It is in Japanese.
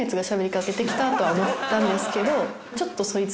とは思ったんですけどちょっと。